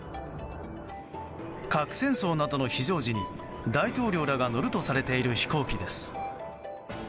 核戦争などの非常時に大統領らが乗るとされている飛行機です。